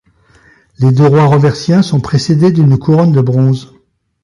Les deux rois robertiens sont précédés d'une couronne de bronze.